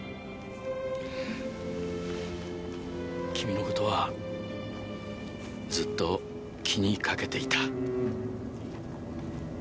君のことはずっと気にかけていた。